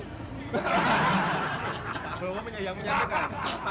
pak prabowo punya yang menyatakan